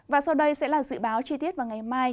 và sau đây sẽ là dự báo chi tiết vào ngày mai